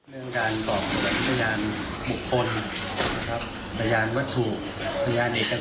และก็นำหลักวิธีวิทยาศาสตร์เข้ามาเพื่อพิสูจน์ให้เกิดความมีความ